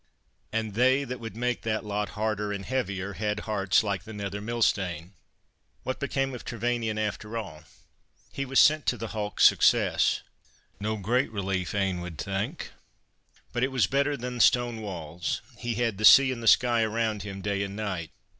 And they that would make that lot harder and heavier, had hearts like the nether millstane." "What became of Trevanion, after all?" "He was sent to the hulk Success. No great relief, ane would think. But it was better than stone walls. He had the sea and the sky around him day and night.